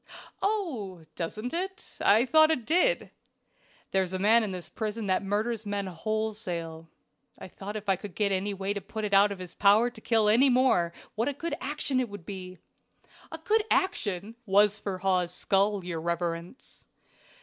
"Oh! doesn't it? I thought it did. There's a man in this prison that murders men wholesale. I thought if I could any way put it out of his power to kill any more what a good action it would be!" "A good action! so then this brick " "Was for Hawes's skull, your reverence."